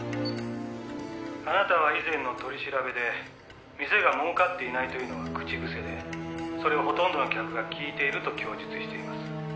「あなたは以前の取り調べで店が儲かっていないというのは口癖でそれをほとんどの客が聞いていると供述しています」